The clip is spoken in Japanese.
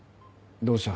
どうした？